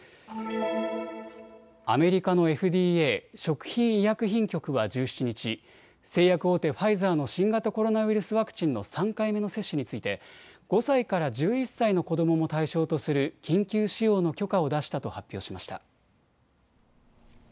アメリカのＦＤＡ・食品医薬品局は１７日、製薬大手ファイザーの新型コロナウイルスワクチンの３回目の接種について５歳から１１歳の子どもも対象とする緊急使用の許可を出したと発表しました。